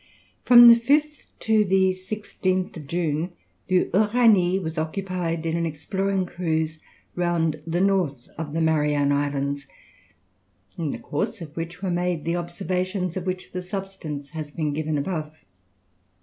From the 5th to the 16th June the Uranie occupied in an exploring cruise round the north of the Marianne Islands, in the course of which were made the observations of which the substance has been given above.